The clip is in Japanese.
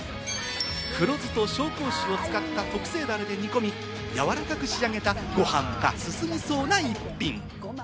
黒酢と紹興酒に使った特製タレで煮込み、やわらかく仕上げたご飯が進みそうな一品。